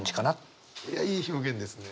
いやいい表現ですね。